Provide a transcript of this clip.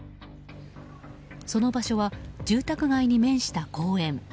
その場所は住宅街に面した公園。